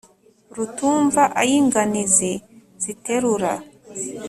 rutumva ay’inganizi ziterura